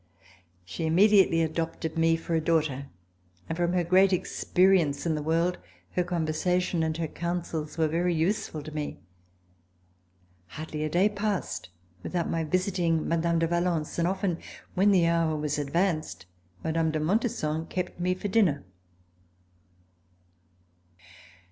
She immediately adopted me for a daughter, and from her great experience in the world, her conversa tion and her counsels were very useful to me. Hardly a day passed without my visiting Mme. de Valence, and often when the hour was advanced, Mme. de Montesson kept me for dinner.